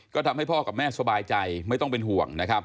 ก็ทำให้พ่อกับแม่สบายใจไม่ต้องเป็นห่วงนะครับ